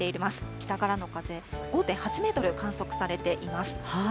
北からの風、５．８メートル観測されています。